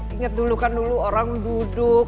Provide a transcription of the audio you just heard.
ingat dulu kan dulu orang duduk